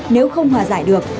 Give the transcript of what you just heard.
nếu không hòa giải được